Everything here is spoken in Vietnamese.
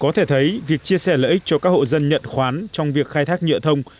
có thể thấy việc chia sẻ lợi ích cho các hộ dân nhận khoán trong việc khai thác nhựa thông